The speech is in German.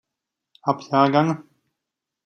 Ab Jg.